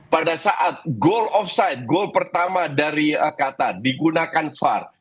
pada saat goal offside goal pertama dari qatar digunakan var